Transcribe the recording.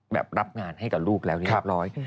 แบบรับงานให้กับลูกแล้วเรียบร้อย